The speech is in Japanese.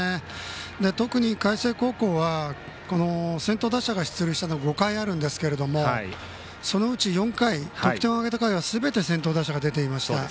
特に海星高校は先頭打者が出塁したのは５回あるんですけどそのうち４回得点を挙げた回はすべて先頭打者が出ていました。